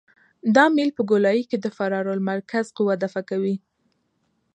دا میل په ګولایي کې د فرار المرکز قوه دفع کوي